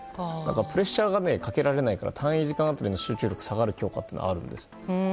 プレッシャーがかけられないから単位時間当たりの集中力が下がる教科があるんです。